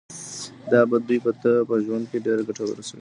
دا به دوی ته په ژوند کي ډیره ګټه ورسوي.